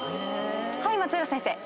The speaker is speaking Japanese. はい松浦先生。